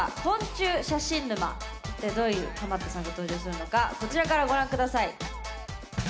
一体どういうハマったさんが登場するのかこちらからご覧下さい。